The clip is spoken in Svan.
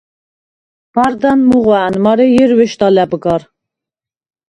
ბარდან მუღვა̄̈ნ, მარე ჲერვეშდ ალა̈ბ გარ.